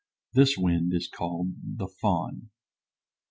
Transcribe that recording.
This wind is called the "Fohn."